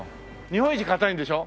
日本一硬いんでしょ？